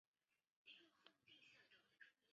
埃维利耶尔。